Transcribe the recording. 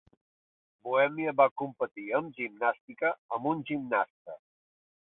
Bohèmia va competir en gimnàstica, amb un gimnasta.